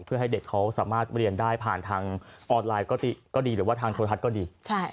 เพื่อให้เด็กเขาสามารถเรียนได้ผ่านทางออนไลน์ก็ดีหรือว่าทางโทรทัศน์ก็ดี